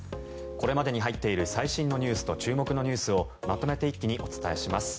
これまでに入っている最新ニュースと注目ニュースをまとめて一気にお伝えします。